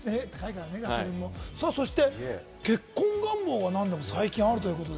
そして結婚願望、最近あるということで。